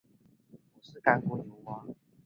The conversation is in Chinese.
楮头红为野牡丹科肉穗草属下的一个种。